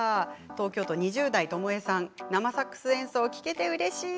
東京都２０代生サックス演奏聴けてうれしい！